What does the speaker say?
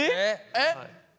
えっ？